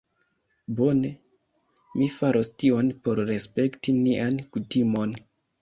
Bone. Mi faros tion por respekti nian kutimon